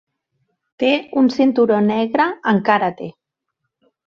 Té un cinturó negre en karate.